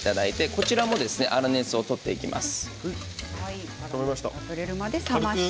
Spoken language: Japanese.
こちらも粗熱を取っていきます。